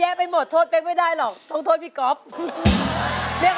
ไปหมดโทษเป๊กไม่ได้หรอกต้องโทษพี่ก๊อฟ